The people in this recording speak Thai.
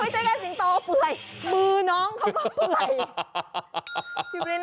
ไม่ใช่แกสิงโตเปื่อยมือน้องเขามาเหลียก